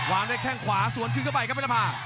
ด้วยแข้งขวาสวนคืนเข้าไปครับเพชรภา